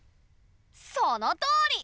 そのとおり！